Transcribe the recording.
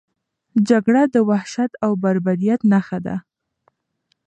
جګړه د وحشت او بربریت نښه ده.